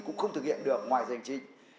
cũng không thực hiện được ngoài danh trình